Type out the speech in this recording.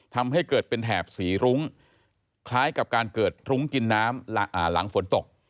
ทำให้เกิดเป็นแถบสีรุ้งคล้ายกับการเกิดรุ้งกินน้ำหลังฝนตก